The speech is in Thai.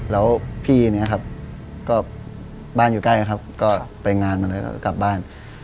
แล้วพี่เนี่ยครับก็บ้านอยู่ใกล้นะครับก็ไปงานมาแล้วก็กลับบ้าน